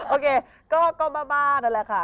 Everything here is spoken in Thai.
โอเคก็มบ้าแหละค่ะ